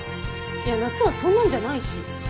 いやなっつんはそんなんじゃないし。